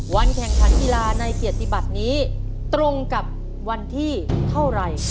วันแข่งขันกีฬาในเกียรติบัตินี้ตรงกับวันที่เท่าไหร่